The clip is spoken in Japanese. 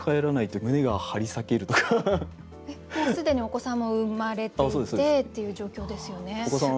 もう既にお子さんも産まれていてっていう状況ですよね。